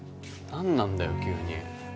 何なんだよ急に。